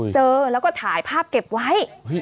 เจอแล้วก็ถ่ายภาพเก็บไว้